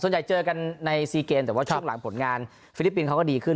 เจอกันใน๔เกมแต่ว่าช่วงหลังผลงานฟิลิปปินส์เขาก็ดีขึ้น